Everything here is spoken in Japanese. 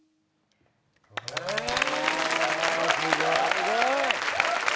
・すごい！